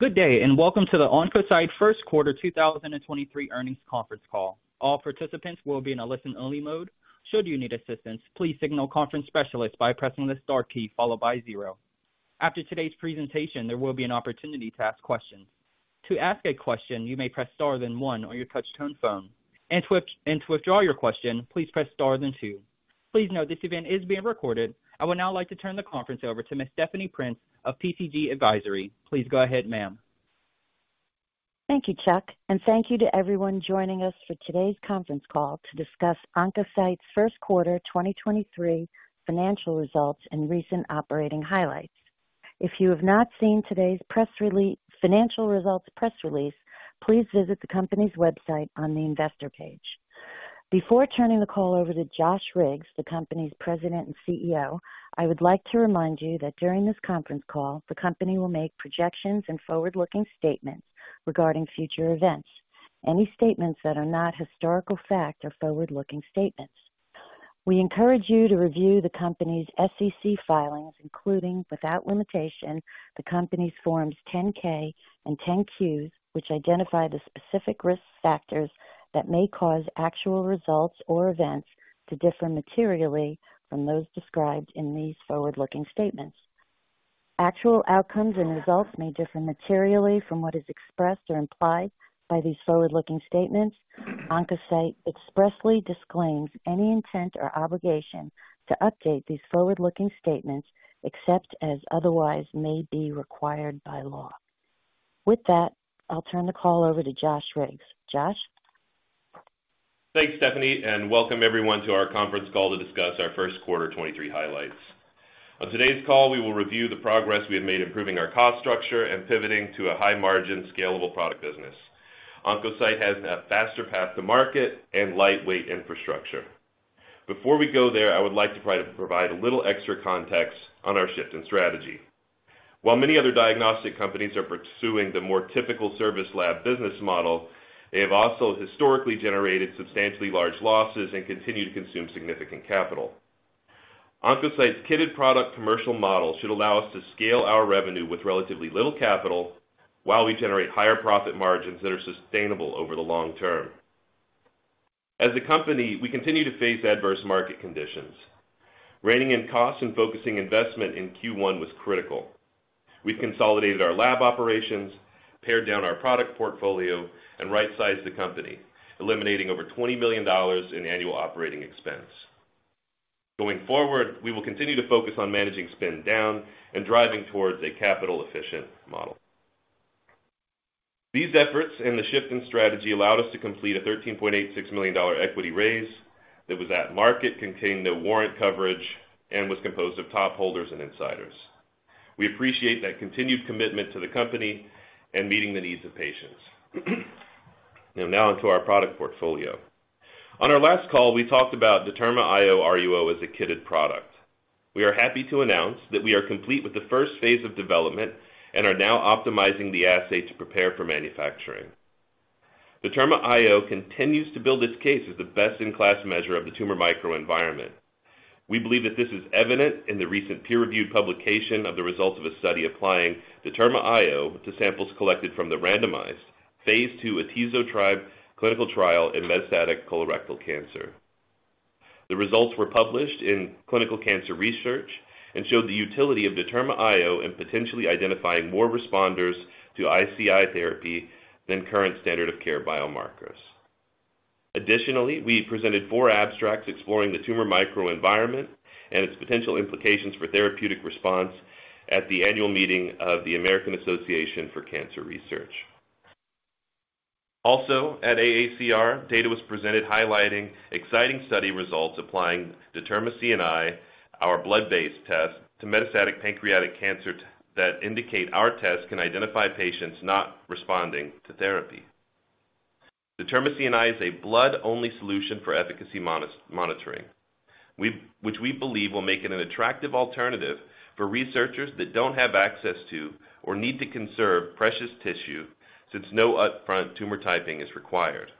Good day, and welcome to the Oncocyte 1st quarter 2023 earnings conference call. All participants will be in a listen-only mode. Should you need assistance, please signal conference specialist by pressing the Star key followed by zero. After today's presentation, there will be an opportunity to ask questions. To ask a question, you may press star then one on your touch-tone phone. To withdraw your question, please press star then two. Please note this event is being recorded. I would now like to turn the conference over to Ms. Stephanie Prince of PCG Advisory. Please go ahead, ma'am. Thank you, Chuck, and thank you to everyone joining us for today's conference call to discuss Oncocyte's first quarter 2023 financial results and recent operating highlights. If you have not seen today's financial results press release, please visit the company's website on the investor page. Before turning the call over to Josh Riggs, the company's President and CEO, I would like to remind you that during this conference call, the company will make projections and forward-looking statements regarding future events. Any statements that are not historical fact or forward-looking statements. We encourage you to review the company's SEC filings, including, without limitation, the company's Forms 10-K and 10-Qs, which identify the specific risk factors that may cause actual results or events to differ materially from those described in these forward-looking statements. Actual outcomes and results may differ materially from what is expressed or implied by these forward-looking statements. Oncocyte expressly disclaims any intent or obligation to update these forward-looking statements, except as otherwise may be required by law. With that, I'll turn the call over to Josh Riggs. Josh? Thanks, Stephanie. Welcome everyone to our conference call to discuss our first quarter 23 highlights. On today's call, we will review the progress we have made improving our cost structure and pivoting to a high-margin scalable product business. Oncocyte has a faster path to market and lightweight infrastructure. Before we go there, I would like to provide a little extra context on our shift in strategy. While many other diagnostic companies are pursuing the more typical service lab business model, they have also historically generated substantially large losses and continue to consume significant capital. Oncocyte's kitted product commercial model should allow us to scale our revenue with relatively little capital while we generate higher profit margins that are sustainable over the long term. As a company, we continue to face adverse market conditions. Reigning in costs and focusing investment in Q1 was critical. We've consolidated our lab operations, pared down our product portfolio and right-sized the company, eliminating over $20 million in annual operating expense. Going forward, we will continue to focus on managing spend down and driving towards a capital-efficient model. These efforts and the shift in strategy allowed us to complete a $13.86 million equity raise that was at market, contained no warrant coverage, and was composed of top holders and insiders. We appreciate that continued commitment to the company and meeting the needs of patients. Now onto our product portfolio. On our last call, we talked about DetermaIO RUO as a kitted product. We are happy to announce that we are complete with the first phase of development and are now optimizing the assay to prepare for manufacturing. DetermaIO continues to build its case as the best-in-class measure of the tumor microenvironment. We believe that this is evident in the recent peer-reviewed publication of the results of a study applying Determa IO to samples collected from the randomized Phase two atezolizumab clinical trial in metastatic colorectal cancer. The results were published in Clinical Cancer Research and showed the utility of Determa IO in potentially identifying more responders to ICI therapy than current standard of care biomarkers. Additionally, we presented four abstracts exploring the tumor microenvironment and its potential implications for therapeutic response at the annual meeting of the American Association for Cancer Research. Also at AACR, data was presented highlighting exciting study results applying DetermaCNI, our blood-based test, to metastatic pancreatic cancer that indicate our test can identify patients not responding to therapy. DetermaCNI is a blood-only solution for efficacy monitoring, which we believe will make it an attractive alternative for researchers that don't have access to or need to conserve precious tissue, since no upfront tumor typing is required.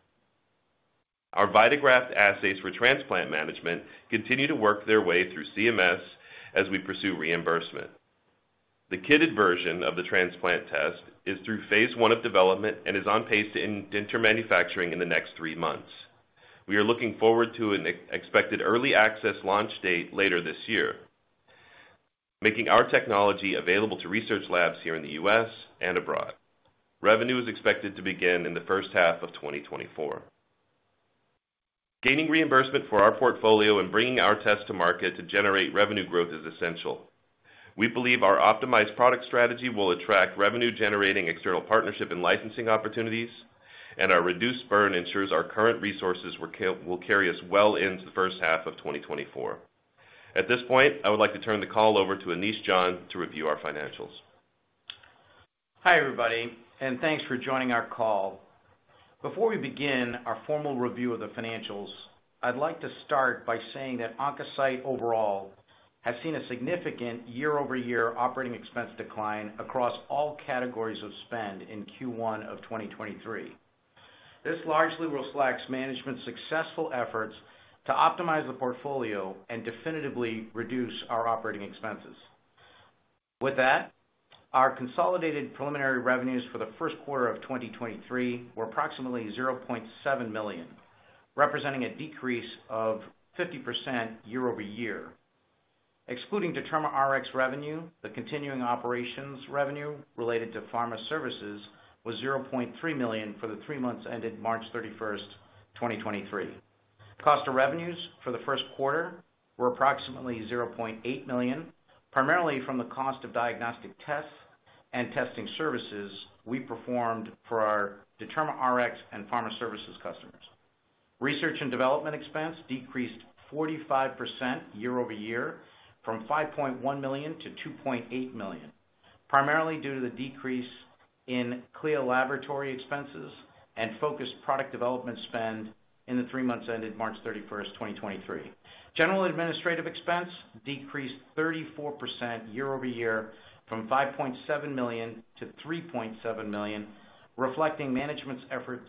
Our VitaGraft assays for transplant management continue to work their way through CMS as we pursue reimbursement. The kitted version of the transplant test is through phase one of development and is on pace to enter manufacturing in the next three months. We are looking forward to an expected early access launch date later this year, making our technology available to research labs here in the U.S. and abroad. Revenue is expected to begin in the first half of 2024. Gaining reimbursement for our portfolio and bringing our tests to market to generate revenue growth is essential. We believe our optimized product strategy will attract revenue-generating external partnership and licensing opportunities, and our reduced burn ensures our current resources will carry us well into the first half of 2024. At this point, I would like to turn the call over to Anish John to review our financials. Hi, everybody, thanks for joining our call. Before we begin our formal review of the financials, I'd like to start by saying that Oncocyte overall has seen a significant year-over-year operating expense decline across all categories of spend in Q1 of 2023. This largely reflects management's successful efforts to optimize the portfolio and definitively reduce our operating expenses. Our consolidated preliminary revenues for the first quarter of 2023 were approximately $0.7 million, representing a decrease of 50% year-over-year. Excluding DetermaRx revenue, the continuing operations revenue related to pharma services was $0.3 million for the three months ended March 31st, 2023. Cost of revenues for the first quarter were approximately $0.8 million, primarily from the cost of diagnostic tests and testing services we performed for our DetermaRx and pharma services customers. Research and development expense decreased 45% year-over-year from $5.1 million to $2.8 million, primarily due to the decrease in CLeO laboratory expenses and focused product development spend in the three months ended March 31st, 2023. General administrative expense decreased 34% year-over-year from $5.7 million to $3.7 million, reflecting management's efforts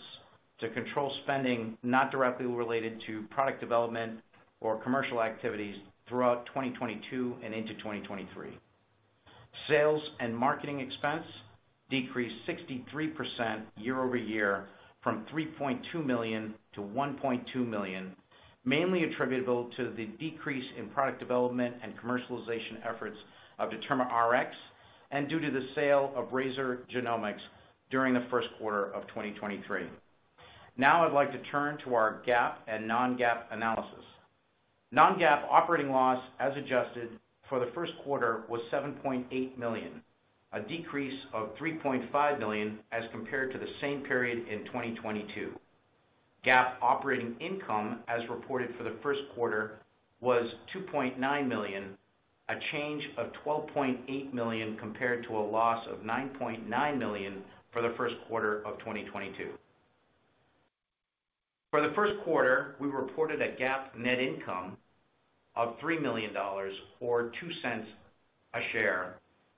to control spending not directly related to product development or commercial activities throughout 2022 and into 2023. Sales and marketing expense decreased 63% year-over-year from $3.2 million to $1.2 million, mainly attributable to the decrease in product development and commercialization efforts of DetermaRx and due to the sale of Razor Genomics during the first quarter of 2023. I'd like to turn to our GAAP and non-GAAP analysis. Non-GAAP operating loss, as adjusted for the first quarter, was $7.8 million, a decrease of $3.5 million as compared to the same period in 2022. GAAP operating income as reported for the first quarter was $2.9 million, a change of $12.8 million compared to a loss of $9.9 million for the first quarter of 2022. For the first quarter, we reported a GAAP net income of $3 million or $0.02 a share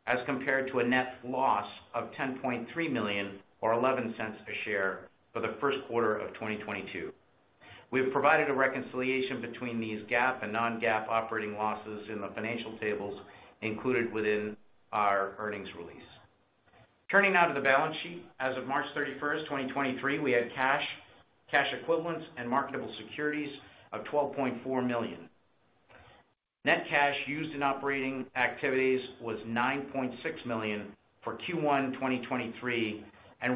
as compared to a net loss of $10.3 million or $0.11 a share for the first quarter of 2022. We have provided a reconciliation between these GAAP and non-GAAP operating losses in the financial tables included within our earnings release. Turning now to the balance sheet. As of March 31st, 2023, we had cash equivalents and marketable securities of $12.4 million. Net cash used in operating activities was $9.6 million for Q1 2023,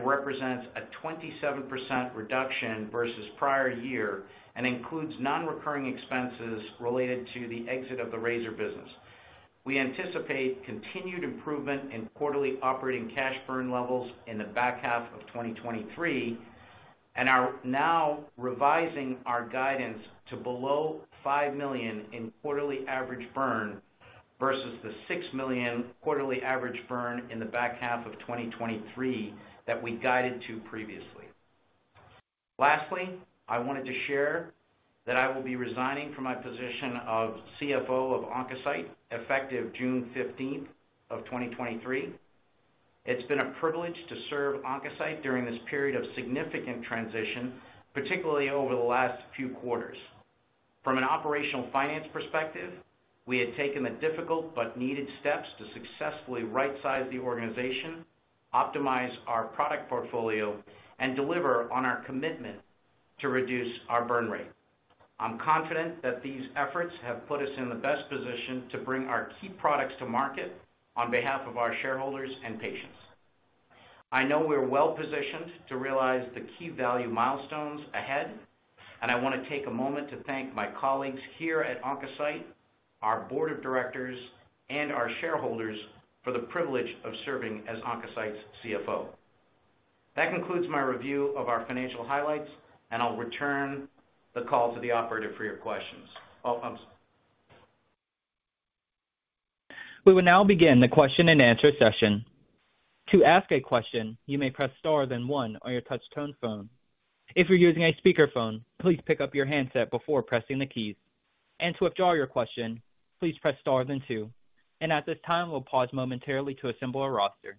represents a 27% reduction versus prior year and includes non-recurring expenses related to the exit of the Razor business. We anticipate continued improvement in quarterly operating cash burn levels in the back half of 2023, are now revising our guidance to below $5 million in quarterly average burn versus the $6 million quarterly average burn in the back half of 2023 that we guided to previously. Lastly, I wanted to share that I will be resigning from my position of CFO of Oncocyte effective June 15, 2023. It's been a privilege to serve Oncocyte during this period of significant transition, particularly over the last few quarters. From an operational finance perspective, we had taken the difficult but needed steps to successfully right size the organization, optimize our product portfolio, and deliver on our commitment to reduce our burn rate. I'm confident that these efforts have put us in the best position to bring our key products to market on behalf of our shareholders and patients. I know we're well positioned to realize the key value milestones ahead, I wanna take a moment to thank my colleagues Oncocyte, our board of directors, and our shareholders for the privilege of Oncocyte' CFO. that concludes my review of our financial highlights, I'll return the call to the operator for your questions. Oh, I'm sorry. We will now begin the question-and-answer session. To ask a question, you may press star then 1 on your touch tone phone. If you're using a speakerphone, please pick up your handset before pressing the keys. To withdraw your question, please press star then 2. At this time, we'll pause momentarily to assemble a roster.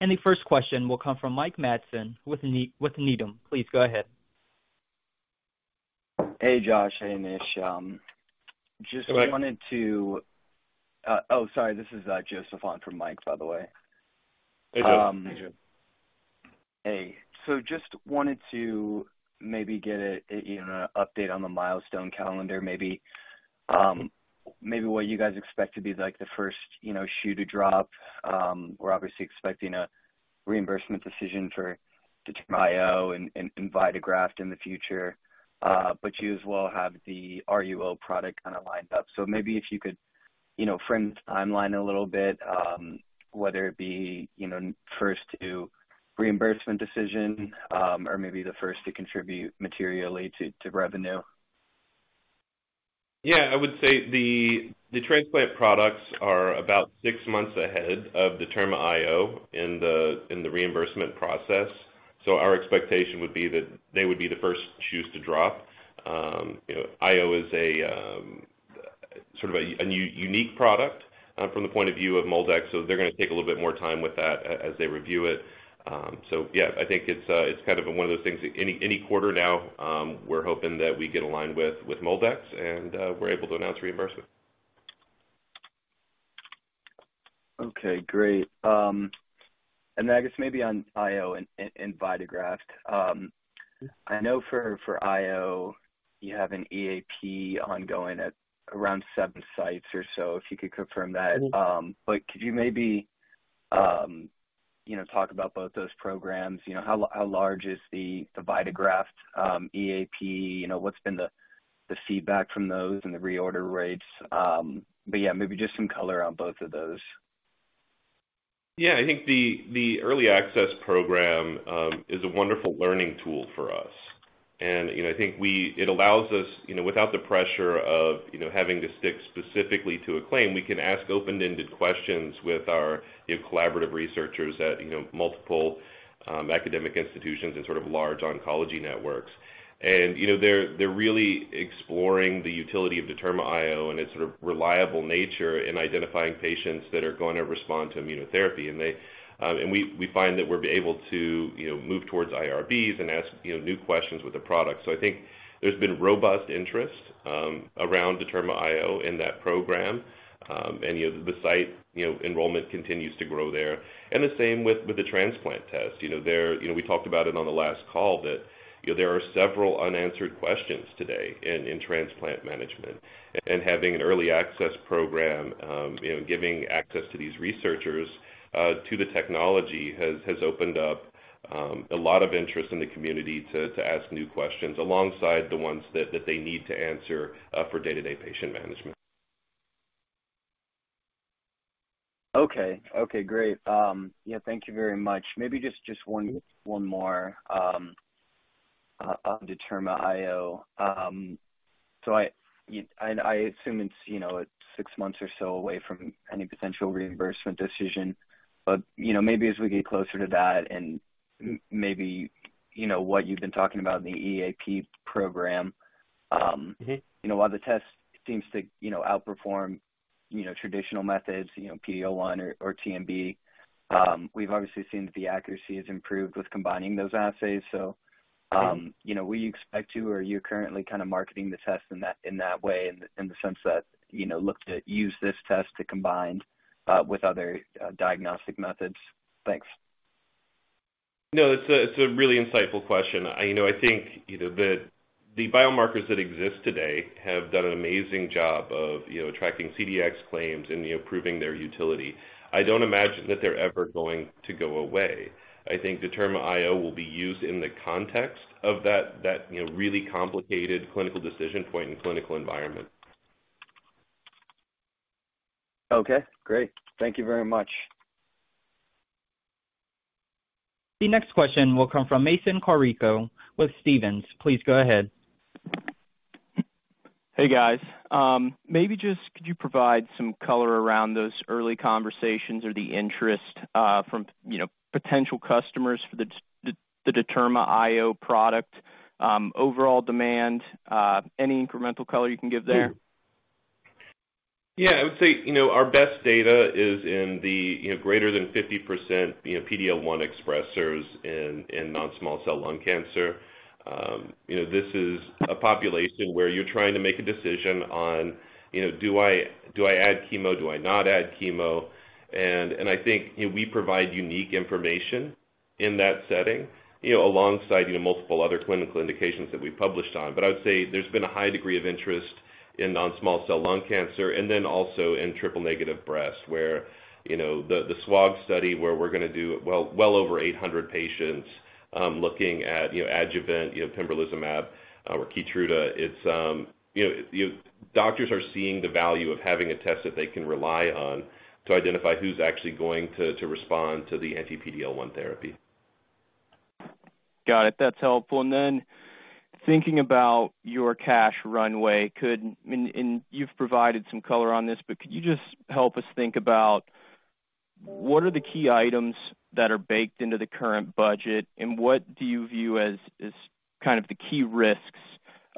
The first question will come from Mike Matson with Needham. Please go ahead. Hey, Josh. Hey, Mish. Sorry, this is Yasin Ebrahim for Mike, by the way. Hey, Yasin. Hey. Just wanted to maybe get a, you know, an update on the milestone calendar. Maybe, maybe what you guys expect to be like the first, you know, shoe to drop. We're obviously expecting a reimbursement decision for DetermaIO and VitaGraft in the future. But you as well have the RUO product kinda lined up. Maybe if you could, you know, frame the timeline a little bit, whether it be, you know, first to reimbursement decision, or maybe the first to contribute materially to revenue. Yeah, I would say the transplant products are about six months ahead of DetermaIO in the, in the reimbursement process. Our expectation would be that they would be the first to choose to drop. You know, IO is a sort of a unique product from the point of view of MolDX, so they're gonna take a little bit more time with that as they review it. Yeah, I think it's it's kind of one of those things that any quarter now, we're hoping that we get aligned with MolDX, and we're able to announce reimbursement. Okay, great. I guess maybe on IO and VitaGraft. I know for IO you have an EAP ongoing at around 7 sites or so, if you could confirm that. Could you maybe, you know, talk about both those programs? You know, how large is the VitaGraft EAP? You know, what's been the feedback from those and the reorder rates? Yeah, maybe just some color on both of those. Yeah. I think the early access program, is a wonderful learning tool for us. You know, I think it allows us, you know, without the pressure of, you know, having to stick specifically to a claim, we can ask open-ended questions with our, you know, collaborative researchers at, you know, multiple academic institutions and sort of large oncology networks. You know, they're really exploring the utility of DetermaIO and its sort of reliable nature in identifying patients that are gonna respond to immunotherapy. They, and we find that we're able to, you know, move towards IRBs and ask, you know, new questions with the product. I think there's been robust interest around DetermaIO in that program. You know, the site, you know, enrollment continues to grow there. The same with the transplant test. You know, there, you know, we talked about it on the last call that, you know, there are several unanswered questions today in transplant management. Having an Early Access Program, you know, giving access to these researchers to the technology has opened up a lot of interest in the community to ask new questions alongside the ones that they need to answer for day-to-day patient management. Okay. Okay, great. Yeah, thank you very much. Maybe just one more on DetermaIO. I assume it's, you know, it's six months or so away from any potential reimbursement decision, you know, maybe as we get closer to that and maybe, you know, what you've been talking about in the EAP program. You know, while the test seems to, you know, outperform, you know, traditional methods, you know, PD-L1 or TMB, we've obviously seen that the accuracy has improved with combining those assays. You know, will you expect to, or are you currently kind of marketing the test in that, in that way in the, in the sense that, you know, look to use this test to combine, with other, diagnostic methods? Thanks. It's a really insightful question. You know, I think, you know, the biomarkers that exist today have done an amazing job of, you know, attracting CDx claims and, you know, proving their utility. I don't imagine that they're ever going to go away. I think Determa IO will be used in the context of that, you know, really complicated clinical decision point and clinical environment. Okay, great. Thank you very much. The next question will come from Mason Carrico with Stephens. Please go ahead. Hey, guys. maybe just could you provide some color around those early conversations or the interest from, you know, potential customers for the DetermaIO product, overall demand, any incremental color you can give there? Yeah. I would say, our best data is in the greater than 50% PD-L1 expressers in non-small cell lung cancer. This is a population where you're trying to make a decision on, do I add chemo, do I not add chemo? I think, we provide unique information in that setting, alongside multiple other clinical indications that we published on. I would say there's been a high degree of interest in non-small cell lung cancer and then also in triple-negative breast, where the SWOG study where we're gonna do well over 800 patients, looking at adjuvant pembrolizumab or Keytruda. Doctors are seeing the value of having a test that they can rely on to identify who's actually going to respond to the anti-PD-L1 therapy. Got it. That's helpful. Then thinking about your cash runway, could. You've provided some color on this, but could you just help us think about what are the key items that are baked into the current budget, and what do you view as kind of the key risks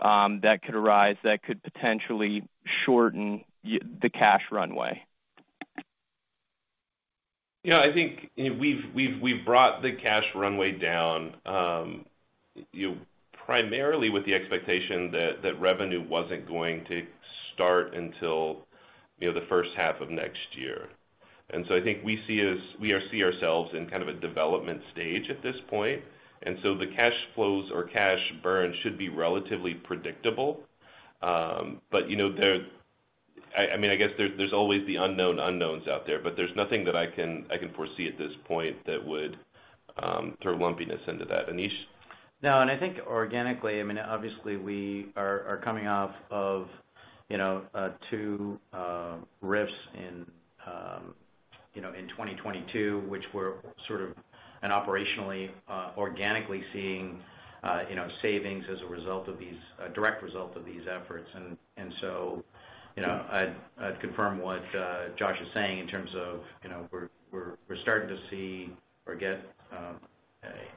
that could arise that could potentially shorten the cash runway? Yeah. I think, you know, we've brought the cash runway down, you know, primarily with the expectation that revenue wasn't going to start until, you know, the first half of next year. I think we see ourselves in kind of a development stage at this point, and so the cash flows or cash burn should be relatively predictable. You know, there. I mean, I guess there's always the unknown unknowns out there, but there's nothing that I can foresee at this point that would throw lumpiness into that. Anish? No. I think organically, I mean, obviously we are coming off of, you know, two risks in, you know, 2022, which were sort of an operationally, organically seeing, you know, savings as a direct result of these efforts. You know, I'd confirm what Josh is saying in terms of, you know, we're starting to see or get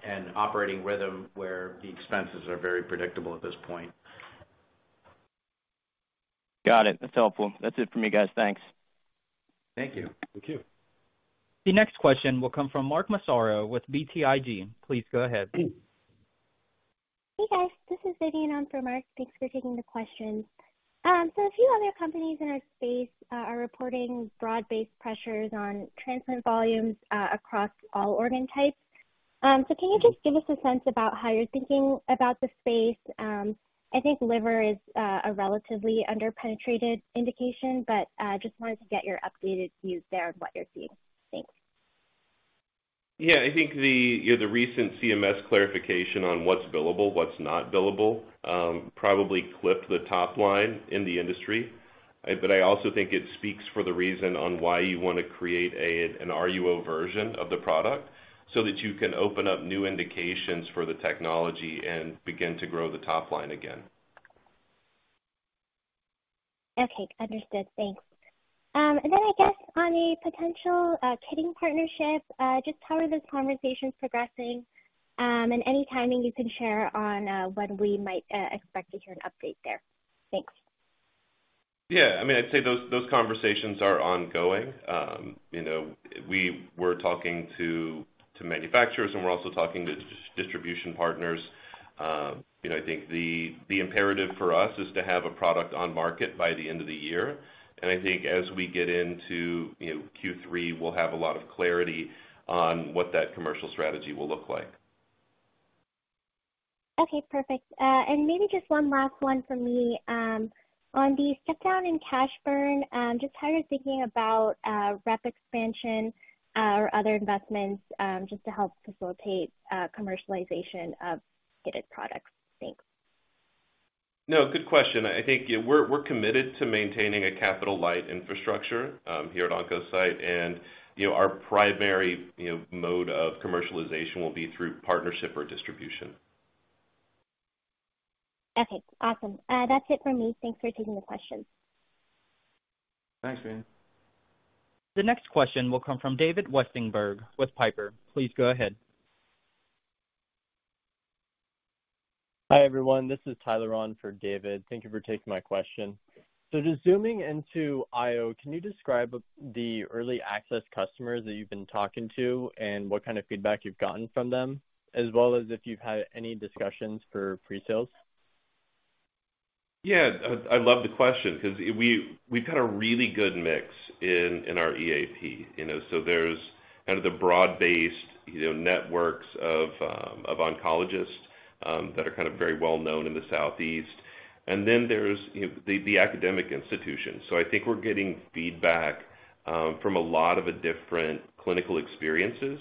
an operating rhythm where the expenses are very predictable at this point. Got it. That's helpful. That's it for me, guys. Thanks. Thank you. Thank you. The next question will come from Mark Massaro with BTIG. Please go ahead. Hey, guys. This is Vivian on for Mark, thanks for taking the question. A few other companies in our space are reporting broad-based pressures on transplant volumes across all organ types. Can you just give us a sense about how you're thinking about the space? I think liver is a relatively under-penetrated indication, but just wanted to get your updated views there on what you're seeing. Thanks. Yeah. I think the, you know, the recent CMS clarification on what's billable, what's not billable, probably clipped the top line in the industry. I also think it speaks for the reason on why you wanna create a, an RUO version of the product, so that you can open up new indications for the technology and begin to grow the top line again. Okay. Understood. Thanks. I guess on a potential kitting partnership, just how are those conversations progressing, and any timing you can share on when we might expect to hear an update there? Thanks. Yeah. I mean, I'd say those conversations are ongoing. you know, we're talking to manufacturers and we're also talking to distribution partners. you know, I think the imperative for us is to have a product on market by the end of the year. I think as we get into, you know, Q3, we'll have a lot of clarity on what that commercial strategy will look like. Okay, perfect. Maybe just one last one from me. On the step down in cash burn, just how you're thinking about rep expansion or other investments just to help facilitate commercialization of guided products? Thanks. No, good question. I think, you know, we're committed to maintaining a capital light infrastructure, here at Oncocyte. You know, our primary, you know, mode of commercialization will be through partnership or distribution. Okay, awesome. That's it from me. Thanks for taking the question. Thanks, Vivian. The next question will come from David Westenberg with Piper. Please go ahead. Hi, everyone. This is Tyler on for David. Thank you for taking my question. Just zooming into IO, can you describe the early access customers that you've been talking to and what kind of feedback you've gotten from them, as well as if you've had any discussions for pre-sales? I love the question, 'cause we've got a really good mix in our EAP, you know. There's kind of the broad-based, you know, networks of oncologists that are kind of very well known in the southeast. There's, you know, the academic institutions. I think we're getting feedback from a lot of a different clinical experiences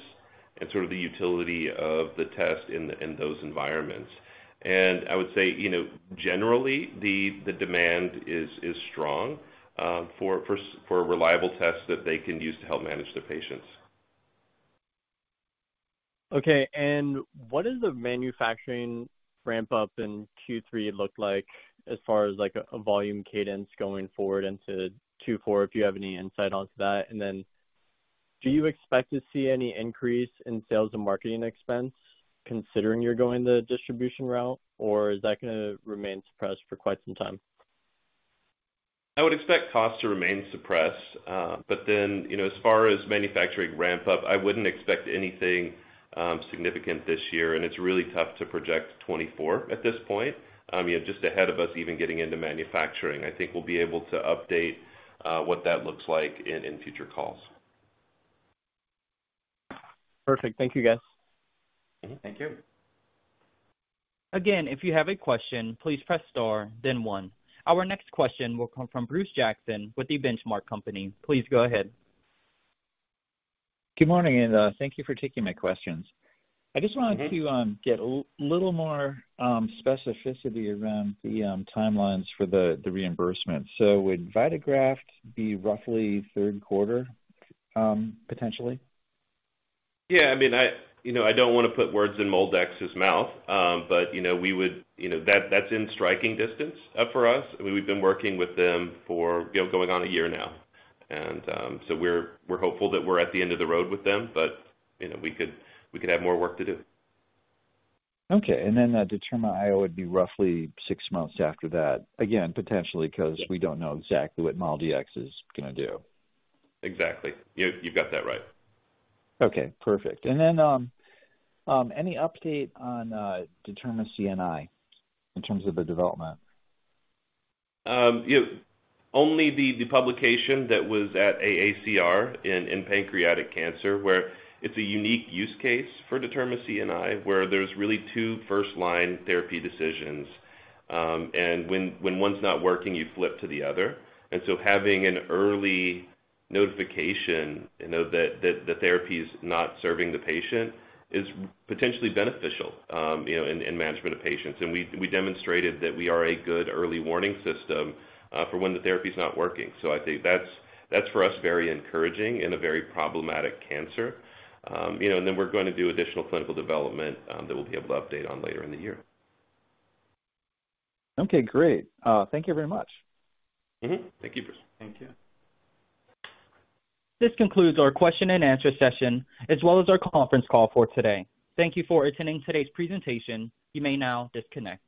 and sort of the utility of the test in those environments. I would say, you know, generally the demand is strong for a reliable test that they can use to help manage the patients. Okay. What does the manufacturing ramp up in Q3 look like as far as, like, a volume cadence going forward into Q4? If you have any insight onto that. Then do you expect to see any increase in sales and marketing expense considering you're going the distribution route, or is that gonna remain suppressed for quite some time? I would expect costs to remain suppressed. You know, as far as manufacturing ramp up, I wouldn't expect anything significant this year, and it's really tough to project 2024 at this point. You know, just ahead of us even getting into manufacturing. I think we'll be able to update what that looks like in future calls. Perfect. Thank you, guys. Mm-hmm. Thank you. Again, if you have a question, please press star then one. Our next question will come from Bruce Jackson with The Benchmark Company. Please go ahead. Good morning. Thank you for taking my questions. I just wanted to get a little more specificity around the timelines for the reimbursement. Would VitaGraft be roughly third quarter, potentially? Yeah. I mean, you know, I don't wanna put words in MolDX's mouth. You know, that's in striking distance for us. I mean, we've been working with them for, you know, going on a year now. So we're hopeful that we're at the end of the road with them, but, you know, we could have more work to do. Then, DetermaIO would be roughly six months after that, again, potentially, 'cause we don't know exactly what MolDX is gonna do. Exactly. You've got that right. Okay, perfect. Then, any update on DetermaCNI in terms of the development? You know, only the publication that was at AACR in pancreatic cancer, where it's a unique use case for DetermaCNI, where there's really two first line therapy decisions, and when one's not working, you flip to the other. Having an early notification, you know, that the therapy is not serving the patient is potentially beneficial, you know, in management of patients. We demonstrated that we are a good early warning system for when the therapy is not working. I think that's for us very encouraging in a very problematic cancer. You know, then we're gonna do additional clinical development that we'll be able to update on later in the year. Okay, great. Thank you very much. Mm-hmm. Thank you, Bruce. Thank you. This concludes our question and answer session, as well as our conference call for today. Thank you for attending today's presentation. You may now disconnect.